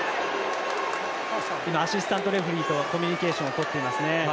アシスタントレフリーとコミュニケーションとっていますね。